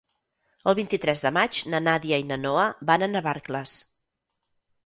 El vint-i-tres de maig na Nàdia i na Noa van a Navarcles.